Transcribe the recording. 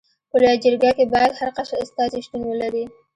په لويه جرګه کي باید هر قشر استازي شتون ولري.